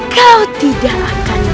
kau tidak akan